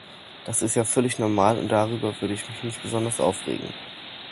Das ist ja völlig normal, und darüber würde ich mich nicht besonders aufregen!